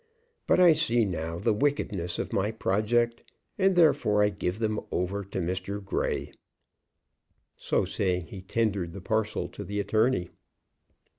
But I see now the wickedness of my project, and, therefore, I give them over to Mr. Grey." So saying he tendered the parcel to the attorney.